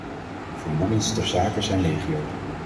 Vermoedens ter zake zijn legio.